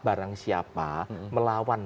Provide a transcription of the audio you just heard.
barang siapa melawan